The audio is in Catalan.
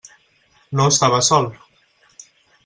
No estava sol.